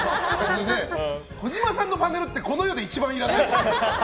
児嶋さんのパネルってこの世で一番いらない。